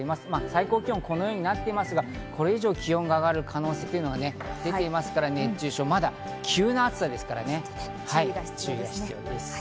最高気温、このようになっていますが、これ以上、気温が上がる可能性が出ていますから、熱中症、急な暑さですから注意が必要です。